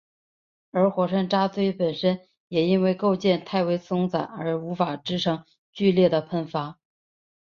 而火山渣锥本身也因为构造太为松散而无法支撑剧烈的喷发。